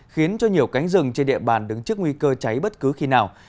khiến cho nhiều cánh rừng trên địa bàn đứng trước nguy cơ cháy bất cứ khi nào